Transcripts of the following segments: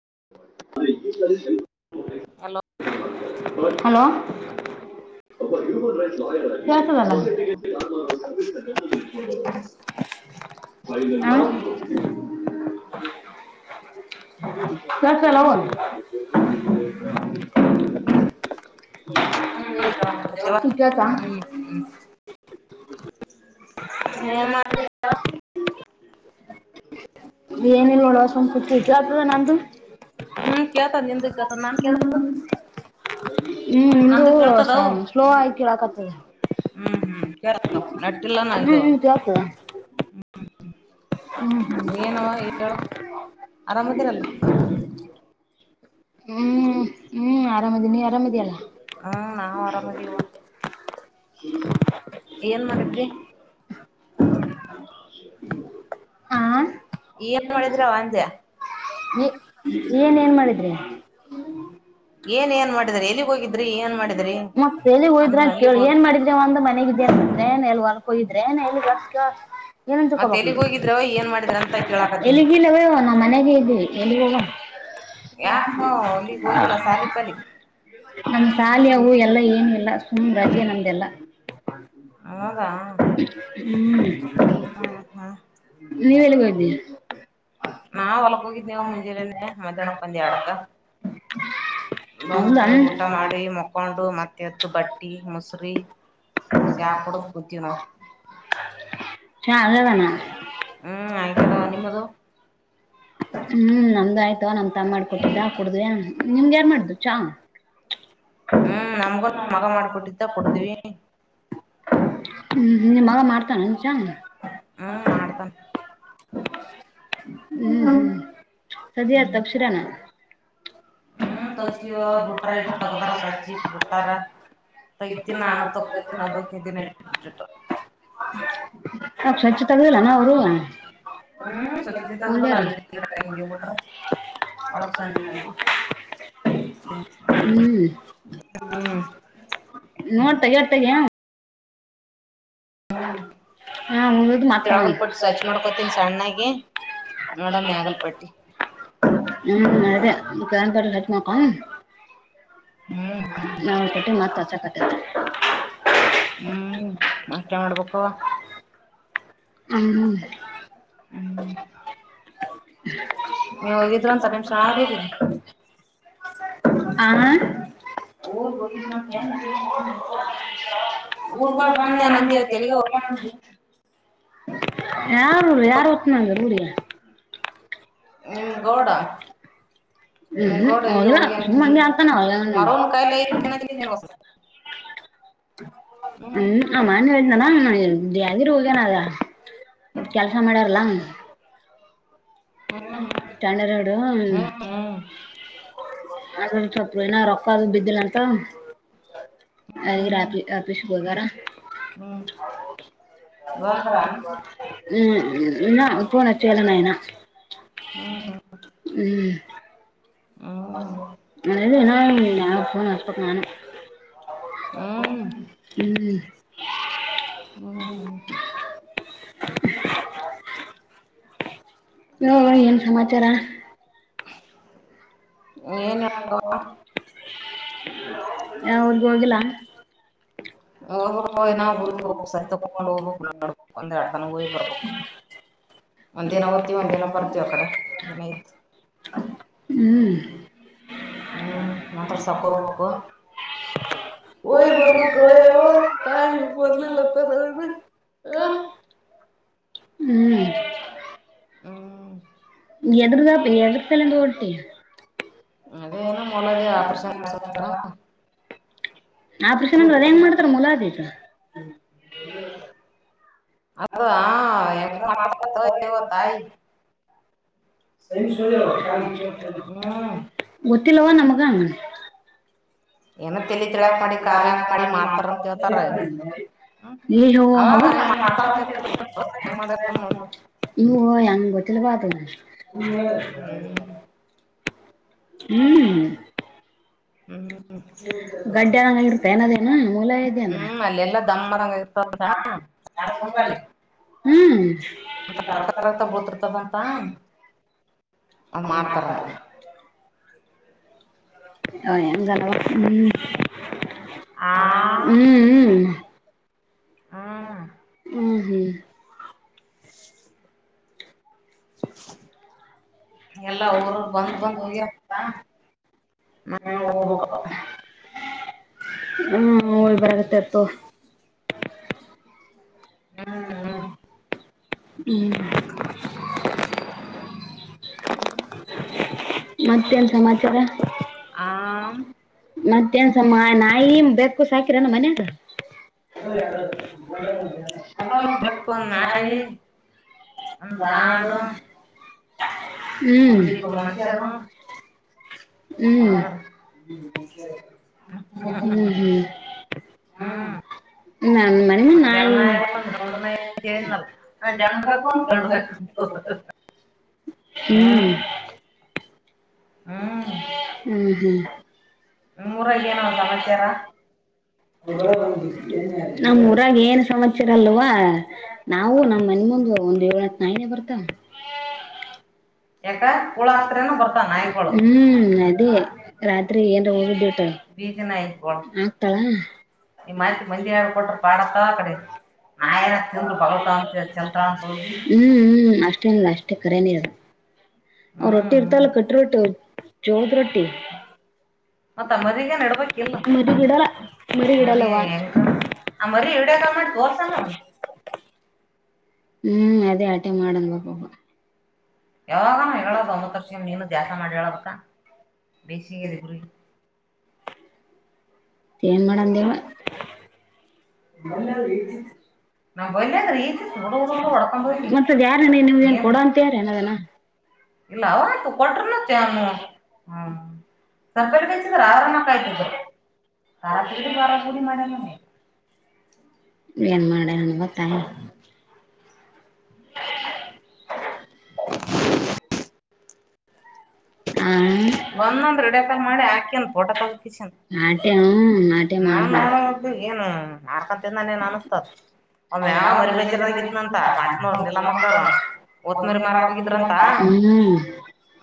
[unintelligible] Hello hello ಕಸಗಾಲ ರಷ್ಟತಲ್ಲ ಒ ಕಸ ಹ್ಮ್ ಹ್ಮ್ ವನಲ್ ಒಳವಸ ಕುತು ಅದ ನಂದುು ಹ್ಮ್ ಕೇಳ್ತಾ ನಿಂದ ಕೇಳ್ತ ನಾನ್ ಕೇಳ್ತ ಹ್ಮ್ ಇೂ ನಂದು ಕೇಳ್ತದವು ಸ್ಲೋ ಆಗ ಕೇಳಕತದೆ ಹ್ಮ್ ಹ್ಮ್ ಕೇಳ ನೆಟ್ಟಿಲ್ಲಾನ ಹ್ಮ್ ಇದು ಹ್ಮ್ ಕೇಳ್ತದ ಹ್ಮ್ ಏನವಾ ಹೇಳಏ ಆರಾಮದಿರಲ್ಲ ಹ್ಮ್ ಹ್ಮ್ ಆರಾಮದಿ ನೀವ್ ಆರಾಮದಿಯಲ್ಲಾ ಹ್ಮ್ ನಾ ವರಾಮದುವ ಏನ್ ಮಾಡಿದ್ರಿ ಆ ಏನ್ ಮಾಡಿದ್ರ ವಜೆ ನೀ ಏನ್ ಏನ್ ಮಾಡಿದ್ರಿ ಏನ್ ಏನ್ ಮಾಡಿದ್ರಿ ಎಲ್ಲಿಗ್ ಹೋಗಿದ್ರಿ ಏನ್ ಮಾಡಿದ್ರಿ ಮತ್ತಲಿ ಹೋಯ್ರ ಅಂದ್ರ ಕೇಳ ಎಲ್ಲಿಗ್ ಹೋಗಿ ಏನ್ ಮಾಡಿದೇವ ಒಂದು ಮನೆಗಿದ ್ರೆ ಏ ಎಲ್ಲಿ ಹೊರ್ಕಯ್ರ ಏ ಎಲ್ಲಿ ಗ ಏನನ್ ಮತ್ ಚಕೋಬಕ್ ಎಲ್ಲಿಗ್ ಹೋಗಿದ್ರವ ಏನ್ ಮಾಡಿದ್ರ ಅಂತ ಕೇಳಾಕತ್ತೀನಿ ಎಲ್ಲಿಗಿಲ್ಲವೇ ನಾ ಮನೆಗೆ ಇದವಿ ಎಲ್ಲಿಗೋಗ ಯಾಕ ಅಲ್ಲಿಗ್ ಹೋಗಿಲ್ಲ ಸಾಲಿ ಪಾಲಿ ನಮ್ ಶಾಲಿಯ ಹೂ ಎಲ್ಲ ಏನು ಇಲ್ಲ ಸುಮ್ ರಜೆ ನಮ್ದೆಲ್ಲ ಹೌದಾ ಹ ಹ್ಮ್ ಹ್ಮ್ ಹ್ಮ್ ನೀವ ಎಲ್ಲಿಗೋಿದ್ದೀಯ ನಾ ಒಲಕೋಗಿದ್ದೇವು ಮುಂಜೆರ್ಣೆ ಮಣಪಂದ ಅಡಕ್ಕ ಹೌದಾ ಬಂದು ಊಟ ಮಾಡಿ ಮಕ್ಕೊಂಡು ಮತ್ತೆ ಎದ್ದು ಬಟ್ಟಿ ಮಸರಿ ಚಾಕೂಡ ಕುತೀಣ ಚಲ್ಲದಾನ ಹ್ಮ್ ಆಯ್ಕದಾವ ನಿಮ್ಮದು ಹ್ಮ್ ನಮ್ದು ಆಯ್ತವ ನಮ್ ತ ಮಾಡ್ಕೊಟ್ಟಿದ್ದಾ ಕುಡುದ್ವಿ ನಿಮ್ಗೆ ಯಾರ ಮಾಡ್ದು ಚಾ ಹ್ಮ್ ನಮ್ಗು ಮಗ ಮಾಡ್ಕೊಟ್ಟಿದ್ದ ಕೊಡತವಿ ಹ್ಮ್ ನಿಮ್ಮ ಮಗ ಮಾಡ್ತಾನ ನಿನ್ ಚ ಹ್ಮ್ ಮಾಡ್ತಾನ ಹ್ಮ್ ಸದ ತಪ್ ಶಿರಾನ ಹ್ಮ್ ತಗಸ ಬಿಟಾರ ಇಟ್ಟ ತಗದಾರ ಸಜಿ ಇಟ್ ಬಿಡ್ತಾರ ತೈತಿ ನಾಮಟ್ಟ ನಾ ಸ್ವಚ್ಛ ತಗದಿಲ್ಲ ನಾ ಅವರು ಹ್ಮ್ ಸ್ವಚ್ಛ ತಗದಲ್ಲ ಇಲ್ಲಾರ ಅಲ್ಲಿ ಬಿಟ್ರ ಒಳಗ್ ಸಣ್ಣ ಹ್ಮ್ ನೋಡ್ತಗಡ್ತಗ ಹಾ ಒದು ಮತ್ತ ತೆಳಗಲ್ಪಟ್ಟಿ ಎಡ ಮೇಘಲ್ಪಟ್ಟಿ ಹೂ ಅದೇ ಅಚ್ಚಿದೇ ಅಕ್ಕ ಹ ಹ್ಮ್ ನಾ ಕೊಟ್ಟಿ ಮತ್ತಚ್ಚ ಕತತೆ ಹ್ಮ್ ಮತ್ತೆ ಮಾಡೋಡ್ಬೇಕಕ್ಕವಾ ಹ್ಮ್ ಹ್ಮ್ ನೀವ್ ಹದು ಹೋಗಿದ್ರ ಚ ಅಂತ ನಿಮ್ ಶರಣಾರೂರಿಗೆ ಹ ಹ ಗುರ್ಬ ಬ ಸುಮ್ನೆ ನಂದಿ ಇವತ್ ಎಲ್ಲಿಗೆ ಯಾರು ಯಾರು ಹೊತ್ತುನಂದ ುಡ ನಿಮ್ ಗೋಡ ಗೌಡ ನಿಮ್ ಹೂ ಗೌಡ ಅವ ಎಲ್ಲಿಗೆ ಹೋಗ್ಯಾನಂದಿ ಹಂಗೆ ಆಡ್ತಾನೆ ಆತಾನ ಅವಲ ಮರೋನ್ ಕಾಯಿಲೆ ಹೂ ಅಮನ್ಾನ ದಂದಿರು ಯಾದಗಿರಿ ಹೊಗ್ಯನ ಅದ ಕೆಲ್ಸ ಮಾಡ್ಯಾರಲ್ಲ ಟಂಡರೋಡು ಹ್ಮ್ ಹ್ಮ್ ಅದ್ರ ಸ್ೊಪ್ರು ಏನ ರೊಕ್ಕದು ಬಿದ್ದಿಲ್ಲಂತ ಅದ ಹ್ಮ್ ರಾತ್ ಆಫೀಸ್ ಹೋಗಾರ ಹ್ಮ್ ಬಂದ್ ಹೂ ಇನ್ನ ಪೋನ್ ಅಚ್ಚಿಲ್ಲ ನಾ ಹ್ಮ್ ಹ್ಮ್ ಹೂ ಇಲ್ಲ ಇನ್ನ ಪೋನ್ ಅಚ್ಚ ಬೇಕು ನಾನು ಹೂ ಹೂ ಹೂ ಹೇಳುವ ಏನ್ ಸಮಾಚಾರ ಏನ್ ಊರ್ಗ ಹೋಗಿಲ್ಲ ಹ ಹೋಗ್ಬೇಕು ಏನ ಊರಿಗ್ ಮೂಳೆ ಹೋಗ್ಬೇಕು ಸರಿ ತಕೊಂಡ್ ಹೋಗ್ಬೇಕು ನೋಡ್ಬೇಕು ಒಂದ್ ಎರಡ್ ದನ ಹೋಗಿ ಬರ್ಬೇಕು ಅದೇ ಒಂದಿನ ಓದ್ತಿವಿ ಒಂದಿನ ನತ್ತ ಬರ್ತೀವಿ ಆ ಕಡೆ ದಿನ ಇತ್ತು ಹೂ ಹೂ ಮಾತಾಡಕ್ಕೆ ಹೋಗಬೇಕು ಹೋಗಿ ಬರಬೇಕು ಯವ್ವ ನೀವು ಬಂದಿಲ್ಲ ಅಂತ ನಾನು ಹೂ ಹ್ಮ್ ಯಡ್ರು ಯಡ್ರು ಸಾಲಿಗೆ ಹೊಟ್ಟಿ ಮ ಅದೇನ ಮೊಲದ ಇ್ಷ ಆಕ್ಷ ಆಪರೇಷನ್ ಮಾಡ್ಸ್ಕೊಂಡಾರ ಆಪರೇಷನ್ ಅದು ಹೆಂಗ್ ಮಾಡ್ತಾರ ಮುಲಾಬಿ ಅದ ಆದ ಹಾ ಅದು ಹೆಂಗ ಹೆಂಗ್ ಮಾಡ್ತಾರೆ ಮಾಡ್ತಾರ ಅತ್ತೆವ ಯವ್ವ ತಾಯಿ ಹ್ಮ್ ಹೂ ಗೊತ್ತಿಲ್ಲವ ನಮಗ ಏನ ಮಾಡ ತಲಿ ತಿಳ್ಯಾಕ್ ಮಾಡಿ ಕಾಲ್ ಕ ಮ್ಯಾಕ್ ಮಾಡಿ ಮಾಡಿ್ ಮಾಡ್ತಾರಂತ ಹೇಳ್ತಾರ ಹ್ಮ್ ಏ ಅಯ್ಯೋ ಎವ್ವ ಅವಾಗ ಹೌದ ಹಂಗ್ ಹ ಮಾಡ್ತಾರಂತ ಹಂಗ್ ಮಾಡ್ಯಾರ ನೋಡು ಅಯ್ಯೋ ಅದು ಅಂಗ ಗೊತ್ತಿಲ್ಲವ ಅದು ಹ್ಮ್ ಹೂ ಹ್ಮ್ ಗಡ್ಡಂಗ ಇರ್ತ ಏನದನು ಮೂಲ ಇದ ಅಂದ್ರ ಹ್ಮ್ ಅಲ್ಲೆಲ್ಲಾ ದಮ್ ಅದಂಗ ಇರ್ತದಂತ ನ ಹೂ ರಕ್ತ ರಕ್ತ ಬೀಳ್ತಿರ್ತದಂತ ಅದ್ ಹಂಗ್ ಮಾಡ್ತಾರನ್ ಮಾಡ್ತಾರೆ ಹೂ ಹೆಂಗ್ ಏನವ್ವ ಹೂ ಆ ಹ ಹೂ ಹೂ ಹ್ಮ್ ಹೂ ಹೂ ಎಲ್ಲ ಊರವರು ಬಂದ್ ಬಂದ್ ಹೋಗ್ಯವೂ ಅ ಹೂ ಹೋಗಿ ಬರತ್ತತ್ತು ಹೋಗು ಹೂ ಹ್ಮ್ ಮತ್ತೇನ್ ಸಮಾಚಾರ ಆ ಮತ್ತೇನ್ಸ ನಾಯಿ ಬೇಕು ಸಾಕಿರಣ ಮನ್ಯಾಗ ಹೂ ಒಂದ್ ನಾಯಿ ಒಂದ್ ಆಡು ಒಂದ್ ಇಬ್ರು ಮನುಷ್ಯರು ಹೂ ಹೂ ಅದಾರ ಹೂ ಹೂ ಹ್ಮ್ ನನ್ ಮನೆ ಒಂದ್ ನಾಯಿ ಹೆಣ್ನಾಯಿ ಒಂದ್ ಗಂಡ ನಾಯಿ ಅಂತ ಹೇಳಿದ್ನಲ್ಲ ಒಂದ್ ಜಾಣ ಹೆಣ್ಗಾಕು ಗಂಡ ಬೇಕಂತ ಹ್ಮ್ ಹ್ಮ ಹ್ಮ್ ಹ್ಮ್ ಹ್ಮ್ ನೂರ ನಿಮ್ಮೂರಾಗ ಏನೋ ಸಮಚಾರ ಸಮಾಚಾರ ನಮ್ಮ್ ಊರಾಗ ಏನ್ ಸಮಚಾರ ಅಲ್ವಾ ನಾವು ನಮ್ ಮನೆ ಮುಂದ ಒಂದ್ ಏಳ್ ಹತ್ ನಾಯಿಗೆ ಬರ್ತ ಯಾಕ ಕೂಳ ಹಾಕ್ತ್ರೇನು ಬರ್ತಾವ ನಾಯಿಗಳು ಹ್ಮ್ ಅದೇ ರತ್ರಿ ತ್ರಿ ಏನ್ ಉಟಳ ಬೀದಿ ನಾಯಿಗಳು ಆಗ್ತಾಳ ಈ ಮಾತಿ ಅತ್ ಮಂದಿ ಮಯಾರ ಎರಡು ಕೊಟ್ಟ ಕೊಟ್ರ ಪಾಾ ಪಾಡತ್ತ ಆ ಕಡೆ ನಾಯೇನ ತಿಂದ್ರ ಬಗಳ್ತಾವ ಅಂತ ಚೆಲ್ತಾಳ ಅಂತ ಹೋಗಿ ಹ್ಮ್ ಹ್ಮ ಅಷ್ಟೇನಲ್ಲ ಅಷ್ಟೇ ಕರೆನಿ ಇರಲ್ಲ ಅವ ರೊಟ್ಟಿ ಹ್ಮ್ ಇರ್ತಲ್ಲ ಕಟ್ಟ್ರ ರೊಟ್ಟಿ ಚೋಳದ ರೊಟ್ಟಿ ಮತ್ತ ಮರಿಗೇನ್ ಇಡ್ಬೇಕಿಲ್ಲ ಮರುಗಡಲ ಮರಿ ಮೆರುಗಡಲವಾ ಹೆಂಗ ಆ ಅವದು ಮರಿ ಎಟ ವಿಡಿಯೋ ಕಾಲ್ ಸಮ ಮಾಡಿ ಹೊರ್ತ ತೋರ್ಸಣ ಅದನ್ನ ಹ್ಮ್ ಅದೇ ಆಟೆ ಮಾಡನ್್ ಬ ಎ ಇ ಯಾವಾಗನ ಹೇಳೋದು ಒಂಬತ್ತು ವರ್ಷ ಸ ನೀನು ಜಾಗ ದ್ಯಾಸ ಮ ಮಾಡಿ ಹೇಳೋದಕ್ಕ ಬೇಸಿಗೆದ ಬೇಜಿಂಗ್ ಗುರಿ ಏನ್ ಮಾಡ ದೇವ ನಮ್ಮ ಬಲ್ಲಿ ಆದ್ರೆ ಈಕಿತ್ತು ಹುಡು ಹುಡು ಹುಡು ಹೊಡ್ಕೊಂಡು ಹೋಗಿ ಮತ್ತದ ಯಾರನ ನೀವ ಏನ್ ಏನು ಕೊಡ ಅಂತ ಯಾರ ಅನದನ ಇ ಇಲ್ಲ ಅವ ಅವಾತು ಕೊಟ್ಟಲ್ಲ ಕೊಟ್ರು ತ ಸರ್ಪಲ್ಲಿಗೆ ಸಕಡೆ್ರ ಹಚ್ಚಿದ್ರೆ ಅವ್ರನ್ನ ಆರಾಯತ ಕಾಯ್ತಿದ್ರು ತಾರ ತಿಗಡಿ ಬಾರ ಗುಡಿ ಮಾಡ ಮಾಡ್ಯಾನ ನೀವು ಏನು ಮಾಡೆ ನನ್ಗೆ ಗೊತ್ತಾಯ [inaudible] [inaudible] ಬಂದಂದ ರೆಡಕಾಲ್ ಮಾಡಿ ಆ ಆಾಕನ್ ಪೋಟ ತಗೋತಸನ್ ನಾಟ್ಯ ನಾಟ್ಯ ನಾನ್ ಮಾಡ್ಬೇಕು ನೋಡದ್ದು ಏನು ಆರ್ಕಂತಿಂದಾನ ಏನ್ ಅನಸ್ತದ ಒ್ ಮ್ಯಾಗ ಯಾವ ಮರಿ ಬೈಜಿರದಾಗ ಇದಿದ್ನ ಅಂತ ಮಲ್ಬೇಜಾರಾಗಿತ್ತಂತ ಬಂಟ್ನೋ ಮಕ್ಕಳು ಎಲ್ಲ ನೀಲಮಕ್ಕರು ಮಕ್ಕಳು ಒತ್ ಮರಿ ಓದಿನ ಮರಕ್ ಹೋಗಿದ್ರಂತ ಅಂತ ಹ್ಮ್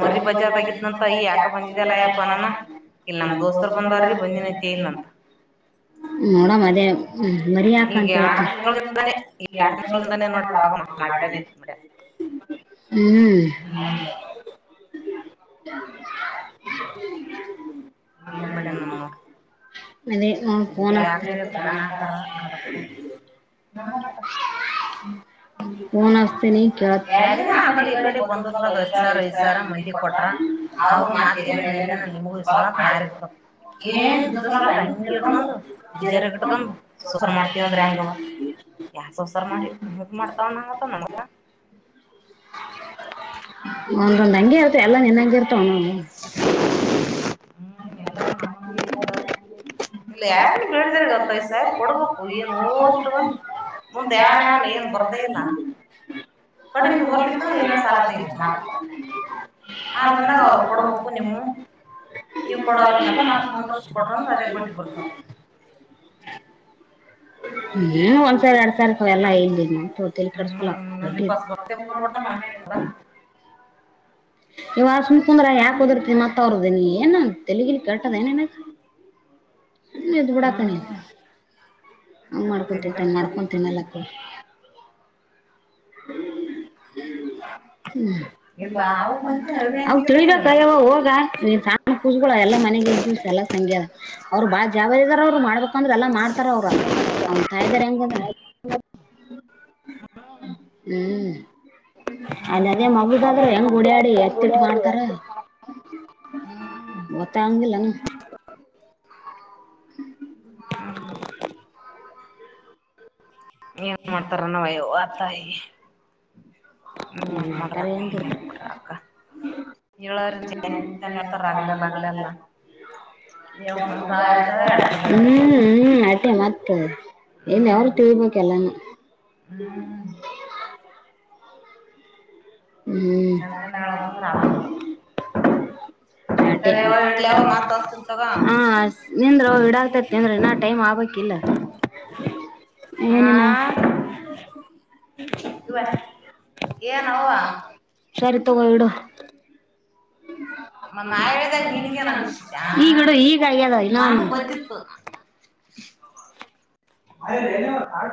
ಮರಿ ಬ ಗಿದ್ನಂತ ಈ ಯಾಕ ಬಂದಿದಲ್ಲಯ್ಯಪ್ಪನಾನ ಇಲ್ಲ ನಮ್ ದೋಸ್ತರ್ ಬಂದಾರೀ ಬಂದಿನತ್ಯ ಅಂತ ನೋಡ ಮದೇ ಹ್ಮ್ ಮರಿ ಈಗ ಯಾಕಂತ ಎರಡ್ ತಿಂಗಳಿಂದಾನೆ ಈಗ ಎರಡ್ ತಿಂಗಳಿಂದಾನೆ ನೋಡಿ ಅವಾಗ ಮಾಡ್ಯಾನೆ ಇದ್ ಮಾಡ್ಯಾನ. ಹ್ಮ್ ಹ್ಮ್ ಏನ್ ಮಾಡ್ಯಾನ ನಮ್ ನೋಡ್ [inaudible] ಮ ಹ್ಮ ಪನ ಇದ್ಕ್ ಯಾಕ್ ಬೇಕು ನ ಕತ್ರ ೋನ್ಸ್ೆ ನೀ ಕ ಈ ಕಡೆ ಬಂದೂರ್ದಾಗ ಹತ್ತ್ ಸಾವಿರ ಐದ್ ಸಾವಿರ ಮಂದಿ ಕೊಟ್ರ ಅವ ಅವ್ರು ಮತ್ತ್ ಮಜ ಎಲ್ಲೇನ ಎಲ್ಲೇನ ನಿಮಗೂ ಇಸ್ಕೊಳಕ್ ಮಾಡ ಮಾರಿರ್ತದ ಏ ಏನ್ ದರ ದೂಸ್ರಕ್ ಹಂಗೆ ಇಟ್ಕೊಂಡು ಟಿಜರ್ಗ್ ಇಟ್ಕೊಂಡು ಯಾಸ್ಸಾರ ಮಾಡಿ ಮಾಡ್ತಾವಂಗತ್ತ ನಮಗ ಒಂದೊಂದ ಎಲ್ಲ ನಿನ್ನಂಂಗಗೆ ಇರ್ ಹ್ಮ್ ಎಲ್ಲರೂ ನಮ್ಮಂಗೆ ಹ ಇದಾರ. ಇಲ್ಲ ಯಾರ ಯಾರನ್ನ ನ ಬೇಡಿದ್ರ ಹತ್ತೈದು ಸಾವಿರ ಕೊಡದ ಕೊಡ್ಬೇಕು ಏನ್ ಹ ನೋ ಏನ್ ಓಷ್ಟಗೊಂದು ಮುಂದೆ ಯಾನ್ ಯಾನ್ ಏನ್ ಬರ್ದೇ ಗರ್ೇ ಇಲ್ಲ ನಡಿ ಕಡಿಮೆ ಹೂ ಬರ್ಲಿಕ್ಕ ಇಲ್ಲ ಎ ಸಾಲ ಕಾಲ ತೆಗಿಬೇಕು ಇದ ಮತ್ತ ನಾಲ್ ಹಪ ನ ಬಂದಾಗ ಅವ್ರು ಕೊಡ್ಬೇಕು ನೀ ನೀವು ನೀವ್ ಡ ಕೊಡೋದ ಮ ಮತ್ತ ಒಂದ್ ವರ್ಷ ಸಂತೋರಿಸಡ ಕೊಟ್ರಂದ್ರ ಅದೇ ತ ಬಡ್ಡಿ ಕೊಟ್ಟ ಬರ್ತದ ನೀನು ಒಂದ್ಸಾವಿರ ಎರಡ್ ಸಾವಿರ ಎಲ್ಲಾ ಇಲ್ದ ನಾ ತ್ತಲ್ಲಿ ಕಡಸಕಲ ಹ್ಮ್ ಒಂದ್ ಇಪ್ಪತ್ ಸಾವಿರ ರೂಪಾಯಿ ಕೊಡ್ತಾನ. ಅ ಇವ ಸುಮಕುಂದ್ರ ಯಾಕೆಓದಿರ್ತಿ ಮತ್ತ ಅವರದ ನೀ ಏನ್ ತೆಲಗಿಲಿ ಕೇತದ ಏನೇನ ಹ್ಮ ಬಿಡಾಕಣ ಹ್ಮ್ ಹಂಗ್ ಮಾಡ್ಕೊಂತ ತಲಿ ಕೆಟ್ಟ ಮಾಡ್ಕೊತನಲ್ಲ ಹ ಹ್ಮ ಹ್ಮ ಇಲ್ಲ ಅವಕ್ಕಂತ ಅವ ಅಭಿಯಂತಿಗಿಲ್ಲ ತಿಳಬೇಕ ಏನಿಲ್ಲ ಅಯ್ಯವ ಹೋಗ ಸಾನ ಕೂಸುಗಳ ಎಲ್ಲ ಮನೆಗೆ ದಿವ್ಸ ಎಲ್ಲ ಸಂ ಅವ್ರು ಬಾಳ ಜಬ ಇದಾರ ಅವ್ರು ಮಾಡ್ಬೇಕಂದ್ರ ಎಾ ಮಾಡ್ತಾರ ಅವ್ರು ಅವ್ನ ತಾಯ್ದಾರೆ ಹ್ಮ್ ಹ್ಮ್ ಅ ಹ್ಮ್ ಅದೇ ಮಗಳೀಗಾದಹೆಂಗ್ ಓಡ್ಯಾಡಿ ಎತ್ತಿಟ್ಟ ಮಾಡ್ತಾರ ಹ್ಮ್ ಹೊತ್ತ ಆಂಗಲ್ಲಾನ ಹ್ಮ ಏನ್ ಮಾಡ್ತಾರ ನವಯ್ಯೋ ಆತಾಯಿ ಹನ್ ಏನ್ ಯಾಕ್ ಮಾಡ್ತಾರ ಮಾಡ್ರಕ್ಕ ಏನ್ ನ್ ಯಾಕ್ ಬಿಡ್ತಾರ ಬಿಡ್ರಕ್ಕ ಹೇಳ್ರನ್ತಾನ ಹೇಳ್ತಾರ ಆಗಲಲ್ಲ ಆಗಲಲ್ಲ ಹ್ಮ್ ಹೇಳ್ತದ ಹ್ಮ್ ಮತ್ತೆ ಮತ್ತ ಇಲ್ಲಿ ಹ್ಮ್ ಯರು ತಿಳ್ಬೇಕಲ್ಲಾನ ಹ್ಮ್ ಹ್ಮ್ ಎಂತಾನ ಹೇಳದಂದ್ರ ಆಗೋದಲ್ಲ ಹ ಸರಿ ಯವ್ವ ಇಡ್ಲ್ಯವ್ವ ಮತ್ ಹಚ್ತಿನ್ ತಗೋ ನಿಂದ್ರ ಇಡಾಗಗ್ತೈತಿ ನಿಂದ್ರೆ ನಾ ಟೈಮ್ ಆಗ್ ಕಲ ಆ ಏನಿನ ಇವ ಏನವ್ವ ಸರಿ ತಗೋ ಇಡು ಹ ಮ ನಾ ಹೇಳಿದಾಗ ನೀನ್ಗೇನ್ ಅನ್ಸತ ಈಗಿಡು ಈಗ ಆಗ್ಯದ ನನಗೂ ಇನ್ನ ಗೊತ್ತಿತ್ತು ಮಾಡಿದ್ದೇನವ್ವ ಮಾಡಬೇಕು